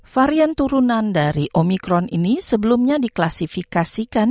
varian turunan dari omikron ini sebelumnya diklasifikasikan